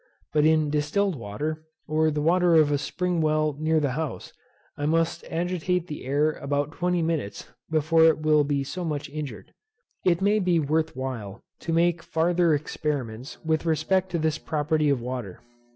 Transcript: But in distilled water, or the water of a spring well near the house, I must agitate the air about twenty minutes, before it will be so much injured. It may be worth while, to make farther experiments with respect to this property of water.